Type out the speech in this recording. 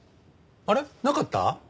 あれっ？なかった？